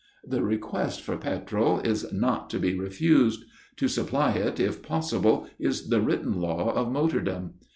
The request for petrol is not to be refused. To supply it, if possible, is the written law of motordom.